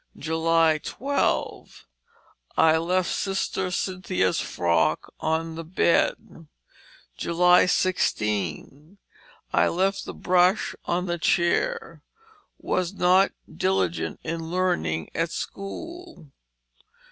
" 12. I left Sister Cynthia's frock on the bed. " 16. I left the brush on the chair; was not diligent in learning at school.